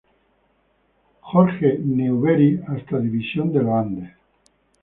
Jorge Newbery hasta División de los Andes.